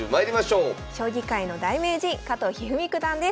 将棋界の大名人加藤一二三九段です。